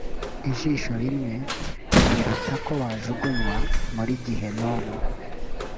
ijisho rimwe biruta ko wajugunywa muri gehinomu